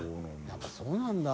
やっぱりそうなんだ。